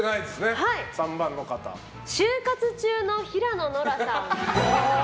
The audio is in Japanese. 就活中の平野ノラさん。